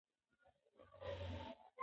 ماشوم په ډېرې وېرې سره انا ته کتل او خندل یې.